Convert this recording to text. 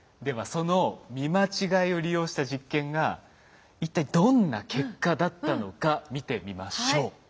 その見間違えを利用した実験が一体どんな結果だったのか見てみましょう。